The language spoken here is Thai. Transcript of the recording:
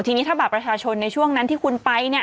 ทีนี้ถ้าบัตรประชาชนในช่วงนั้นที่คุณไปเนี่ย